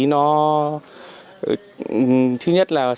nó thứ nhất là